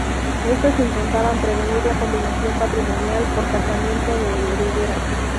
Estas intentaban prevenir la combinación patrimonial por casamiento de herederas.